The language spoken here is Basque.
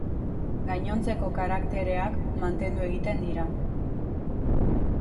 Gainontzeko karaktereak, mantendu egiten dira.